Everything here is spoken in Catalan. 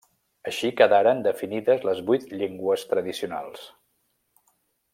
Així quedaren definides les vuit llengües tradicionals.